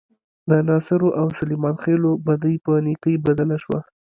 د ناصرو او سلیمان خېلو بدۍ په نیکۍ بدله شوه.